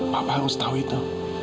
papa harus tahu itu